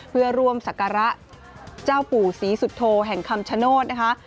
เพื่อร่วมศักระเจ้าปู่ศรีสุโธแห่งคำชโนธนะคะ